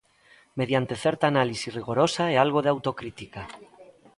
Mediante certa análise rigorosa e algo de autocrítica.